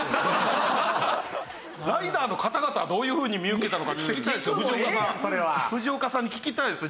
ライダーの方々はどういうふうに見受けたのか聞きたいですよ。